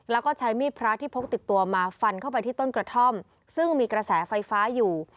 แล้วก็ใช้มีดพระที่พกติดตัวมาฟันเข้าไปที่ต้นกระท่อมซึ่งมีกระแสไฟฟ้าอยู่